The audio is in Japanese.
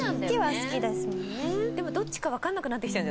でもどっちかわかんなくなってきちゃうんじゃない？